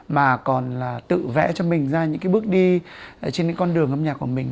mà còn là tự vẽ cho mình ra những cái bước đi trên những con đường âm nhạc của mình